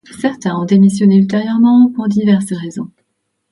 Certains ont démissionné ultérieurement pour diverses raisons.